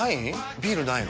ビールないの？